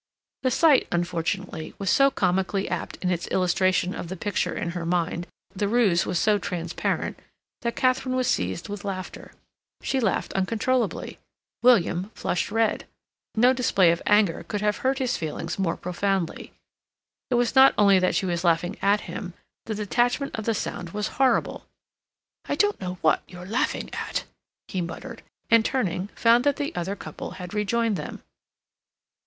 The sight, unfortunately, was so comically apt in its illustration of the picture in her mind, the ruse was so transparent, that Katharine was seized with laughter. She laughed uncontrollably. William flushed red. No display of anger could have hurt his feelings more profoundly. It was not only that she was laughing at him; the detachment of the sound was horrible. "I don't know what you're laughing at," he muttered, and, turning, found that the other couple had rejoined them.